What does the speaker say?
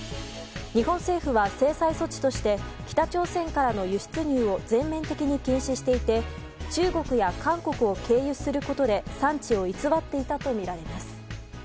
日本政府は、制裁措置として北朝鮮からの輸出入を全面的に禁止していて中国や韓国を経由することで産地を偽っていたとみられます。